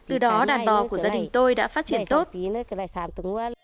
từ đó đàn bò của gia đình tôi đã phát triển tốt